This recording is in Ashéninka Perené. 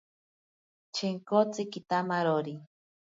Chenkotsi kitamarori.